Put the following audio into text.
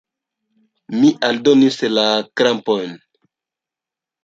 Mi aldonis la krampojn.